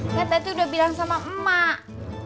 nggak tati udah bilang sama emak